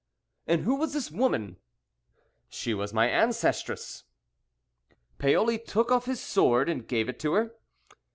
"And who was this woman?" "She was my ancestress." "Paoli took off his sword and gave it to her.